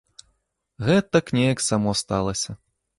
Гэтак неяк само сталася.